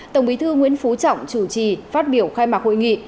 tổng bí thư nguyễn phú trọng chủ trì phát biểu khai mạc hội nghị